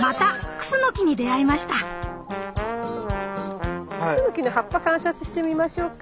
クスノキの葉っぱ観察してみましょうか。